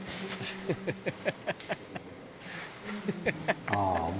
「ハハハハ！」